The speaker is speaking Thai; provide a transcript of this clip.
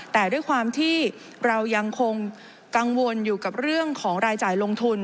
แต่ด้วยความที่เรายังคงกังวลอยู่กับเรื่องของรายจ่ายลงทุน